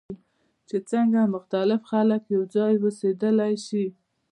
چې څنګه مختلف خلک یوځای اوسیدلی شي.